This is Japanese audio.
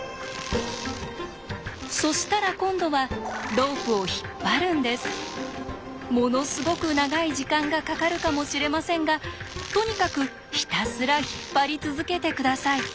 そしたら今度はものすごく長い時間がかかるかもしれませんがとにかくひたすら引っ張り続けて下さい。